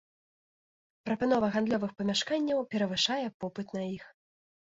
Прапанова гандлёвых памяшканняў перавышае попыт на іх.